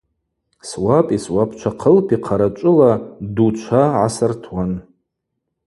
Суапӏи суабчвахъылпи хъарачӏвыла ду чва гӏасыртуан.